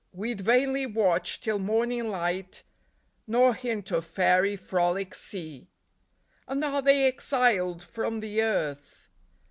We 'd vainly watch till morning light, Nor hint of fairy frolic see. And are they exiled from the earth